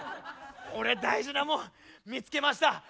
俺大事なもん見つけました。